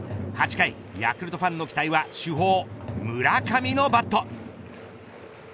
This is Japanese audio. ８回、ヤクルトファンの期待は主砲、村上のバット。